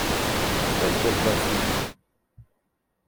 – Опять бог дал свидеться.